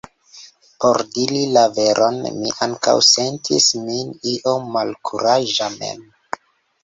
Por diri la veron, mi ankaŭ sentis min iom malkuraĝa mem.